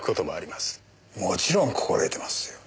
もちろん心得てますよ。